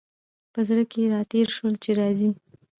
په زړه کي را تېر شول چي راځي !